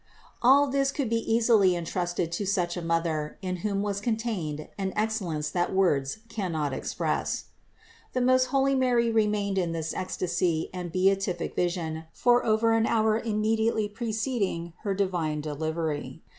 All this could be easily entrusted to such a Mother, in whom was contained an excellence that words cannot express. 475. The most holy Mary remained in this ecstasy and 2 27 398 CITY OF GOD beatific vision for over an hour immediately preceding her divine delivery.